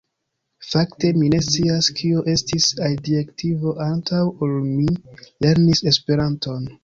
Fakte mi ne scias kio estis adjektivo antaŭ ol mi lernis Esperanton.